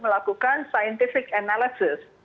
melakukan scientific analysis